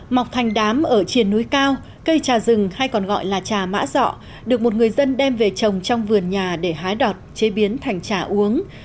mọc thành đám ở triền núi cao cây trà rừng hay còn gọi là trà mã giọ được một người dân đem về trồng trong vườn nhà để hái đọt chế biến thành trà uống